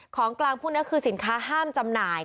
ของกลางพวกนี้คือสินค้าห้ามจำหน่าย